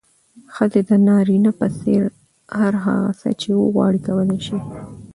ښځې د نارينه په څېر هر هغه څه چې وغواړي، کولی يې شي.